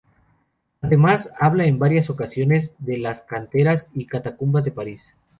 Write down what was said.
Además, habla en varias ocasiones de las canteras y catacumbas de París.